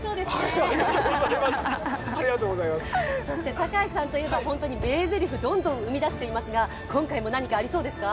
堺さんといえば、本当に名台詞、どんどん生み出していますが、今回も何かありそうですか？